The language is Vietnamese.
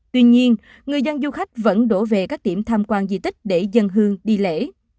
tuy nhiên người dân du khách vẫn đổ về các điểm tham quan di tích để dân hương đi lễ